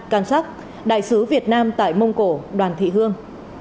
cang sắc đại sứ việt nam tại mông cổ đoàn thị hương